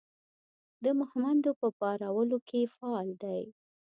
د مهمندو په پارولو کې فعال دی.